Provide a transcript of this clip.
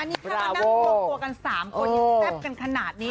นี่ค่ะนั่งกลวงกลัวกัน๓คนอยู่แซ่บกันขนาดนี้